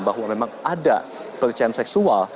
bahwa memang ada pelecehan seksual